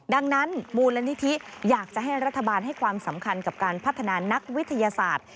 ดังนั้นมูลนิธิอยากจะให้รัฐบาลให้ความสำคัญกับการพัฒนานักวิทยาศาสตร์